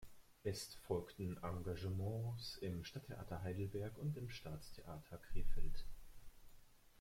Es folgten Engagements im Stadttheater Heidelberg und Staatstheater Krefeld.